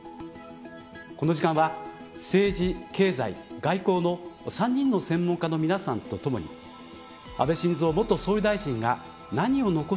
この時間は、政治、経済、外交の３人の専門家の皆さんとともに安倍晋三元総理大臣が何を残したのか考えていきます。